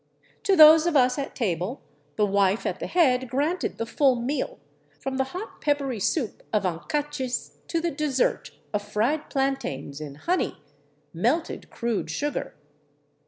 To those of us at table the wife at the head granted the full meal, from the hot, pep pery soup of Ancachs to the dessert of fried plantains in " honey," — melted crude sugar.